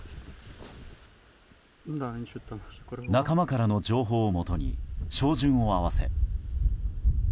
仲間からの情報をもとに照準を合わせ。